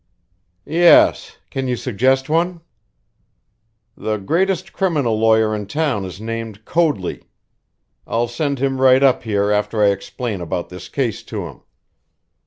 "Yes. Can you suggest one?" "The greatest criminal lawyer in town is named Coadley. I'll send him right up here after I explain about this case to him.